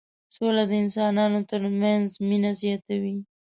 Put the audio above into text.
سوله د انسانانو ترمنځ مينه زياتوي.